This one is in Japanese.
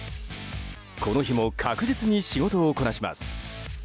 この日も確実に仕事をこなします。